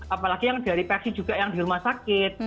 apalagi yang dari persi juga yang di rumah sakit